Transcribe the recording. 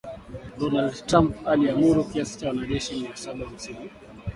Donald Trump aliamuru kiasi cha wanajeshi mia saba hamsini wa Marekani